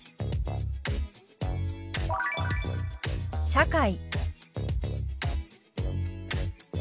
「社会」。